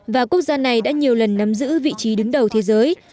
và quốc gia này đã nhiều lần nắm giữ vị trí đứng đầu thế giới